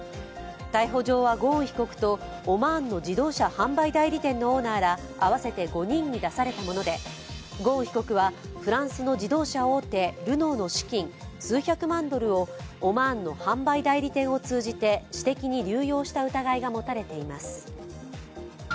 逮捕状はゴーン被告と自動車販売代理店のオーナーら合わせて５人に出されたもので、ゴーン被告はフランスの自動車大手ルノーの資金数百万ドルをオマーンの販売代理店を通じて私的に流用した疑いが持たれています。